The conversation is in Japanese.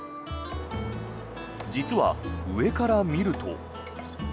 実は、上から見ると。